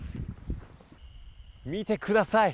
見てください！